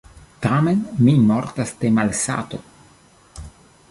Tamen mi mortas de malsato.